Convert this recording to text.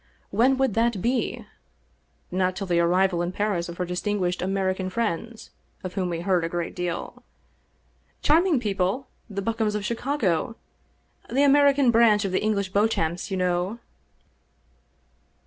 When would that be? Not till the arrival in Paris of her distinguished Ameri can friends, of whom we heard a great deal. " Charming people, the Bokums of Chicago, the American branch of the English Beauchamps, you know